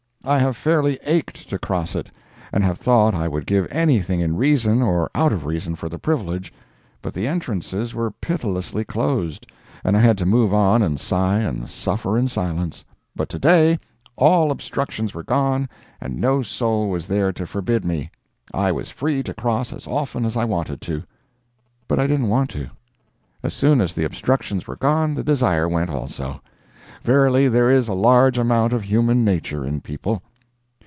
I have fairly ached to cross it, and have thought I would give anything in reason or out of reason for the privilege, but the entrances were pitilessly closed, and I had to move on and sigh and suffer in silence. But to day all obstructions were gone and no soul was there to forbid me. I was free to cross as often as I wanted to. But I didn't want to. As soon as the obstructions were gone the desire went also. Verily, there is a large amount of human nature in people.